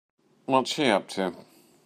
What's she up to?